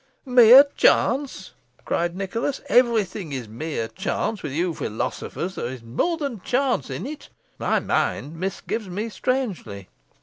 "Mere chance!" cried Nicholas; "every thing is mere chance with you philosophers. There is more than chance in it. My mind misgives me strangely.